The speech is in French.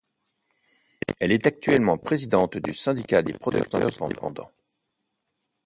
Elle est actuellement Présidente du Syndicat des Producteurs Indépendants.